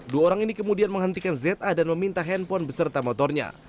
dua orang ini kemudian menghentikan za dan meminta handphone beserta motornya